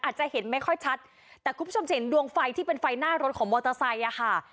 อาจจะเห็นไม่ค่อยชัดแต่คุณผู้ชมจะเห็นดวงไฟที่เป็นไฟหน้ารถของมอเตอร์ไซค์อ่ะค่ะ